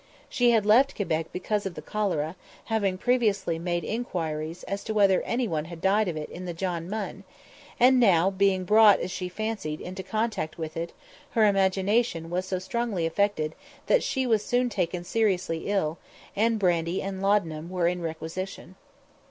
She had left Quebec because of the cholera, having previously made inquiries as to whether any one had died of it in the John Munn; and now, being brought, as she fancied, into contact with it, her imagination was so strongly affected that she was soon taken seriously ill, and brandy and laudanum were in requisition.